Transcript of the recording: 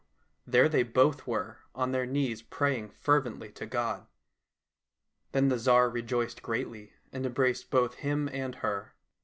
there they both were on their knees praying fervently to God. Then the Tsar rejoiced greatly, and embraced both him and her.